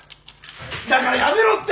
だからやめろって！